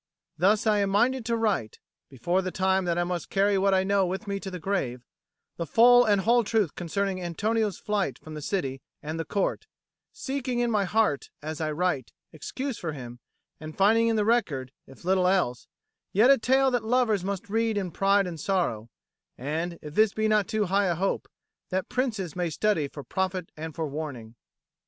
Thus I am minded to write, before the time that I must carry what I know with me to the grave, the full and whole truth concerning Antonio's flight from the city and the Court, seeking in my heart, as I write, excuse for him, and finding in the record, if little else, yet a tale that lovers must read in pride and sorrow, and, if this be not too high a hope, that princes may study for profit and for warning.